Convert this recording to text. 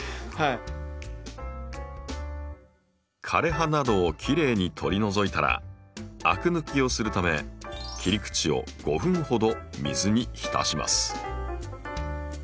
枯れ葉などをきれいに取り除いたらアク抜きをするため切り口を５分ほど水に浸します。